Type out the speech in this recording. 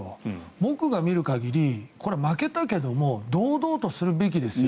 僕が見る限りこれは負けたけれども堂々とするべきですよ。